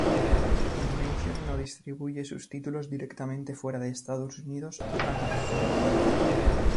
Funimation no distribuye sus títulos directamente fuera de Estados Unidos u Canadá.